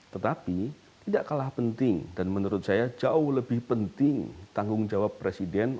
tetapi tidak kalah penting dan menurut saya jauh lebih penting tanggung jawab presiden